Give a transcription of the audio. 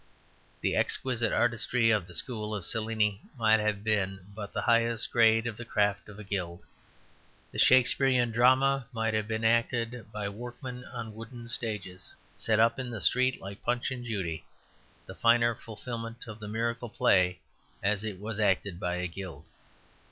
The exquisite artistry of the school of Cellini might have been but the highest grade of the craft of a guild. The Shakespearean drama might have been acted by workmen on wooden stages set up in the street like Punch and Judy, the finer fulfilment of the miracle play as it was acted by a guild.